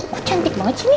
kok cantik banget sih nih